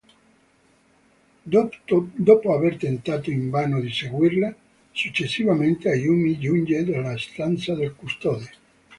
Dopo aver tentato invano di seguirla, successivamente Ayumi giunge nella stanza del custode.